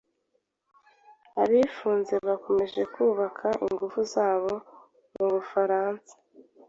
Abiyunze bakomeje kubaka ingufu zabo mu Bufaransa.